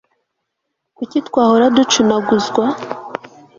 kuki twahora ducunaguzwa